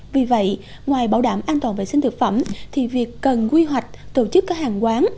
vì vậy ngoài bảo đảm an toàn vệ sinh thực phẩm thì việc cần quy hoạch tổ chức các hàng quán